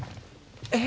え？